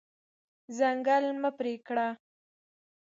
ځنګل مه پرې کړه.